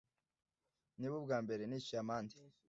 Ni ubwambere nishyuye amande.